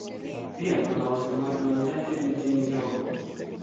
Pia kuna wasemaji wachache nchini Togo.